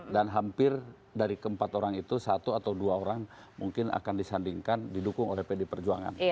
dan hampir dari keempat orang itu satu atau dua orang mungkin akan disandingkan didukung oleh pd perjuangan